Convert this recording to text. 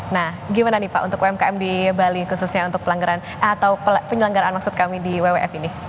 nah gimana nih pak untuk umkm di bali khususnya untuk pelanggaran atau penyelenggaraan maksud kami di wwf ini